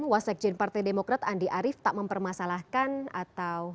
wasekjen partai demokrat andi arief tak mempermasalahkan atau